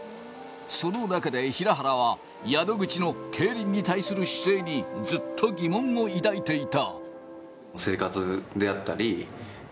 その中で平原は宿口の競輪に対する姿勢にずっと疑問を抱いていた。